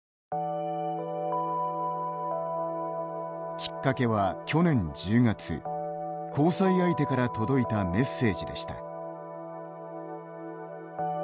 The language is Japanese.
きっかけは、去年１０月交際相手から届いたメッセージでした。